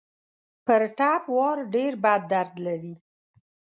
په ټپ وار ډېر بد درد لري.